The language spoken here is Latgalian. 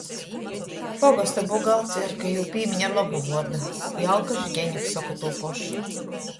Pogosta bugalterka jū pīmiņ ar lobu vuordu, i alkašs Geņuks soka tū pošu.